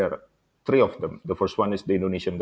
yang pertama adalah pemerintah indonesia